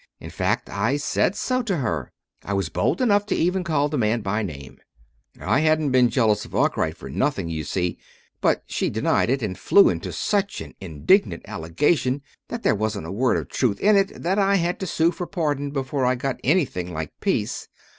In fact, I said so to her. I was bold enough to even call the man by name I hadn't been jealous of Arkwright for nothing, you see but she denied it, and flew into such an indignant allegation that there wasn't a word of truth in it, that I had to sue for pardon before I got anything like peace."